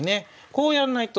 こうやらないと。